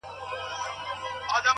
• بیا به دی او خپله توره طویله سوه,